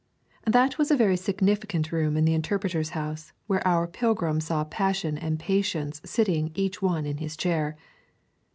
That was a very significant room in the Interpreter's House where our pilgrim saw Passion and Patience sitting each one in his chair.